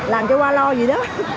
làm cái qua lo gì đó